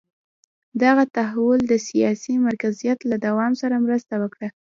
دغه تحول د سیاسي مرکزیت له دوام سره مرسته وکړه.